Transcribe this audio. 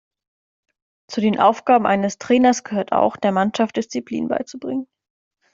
Zu den Aufgaben eines Trainers gehört auch, der Mannschaft Disziplin beizubringen.